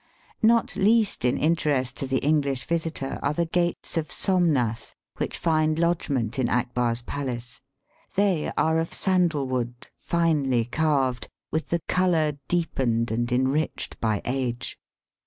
Not least in interest to the English visitor are the Gates of Somnath, which find lodg ment in Akbar's palace. They are of sandal wood, finely carved, with the colour deepened and enriched by age.